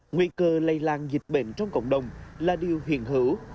nguy cơ lây lan dịch bệnh trong cộng đồng là điều hiện hữu